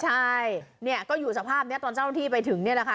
ใช่เนี่ยก็อยู่สภาพนี้ตอนเจ้าหน้าที่ไปถึงนี่แหละค่ะ